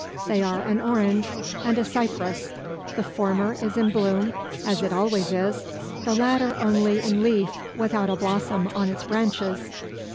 They are an orange, and a cypress. The former is in bloom, as it always is; the latter only in leaf, without a blossom on its branches.